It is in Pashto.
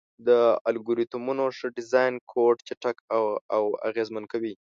د الګوریتمونو ښه ډیزاین کوډ چټک او اغېزمن کوي.